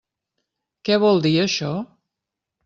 Què vol dir això?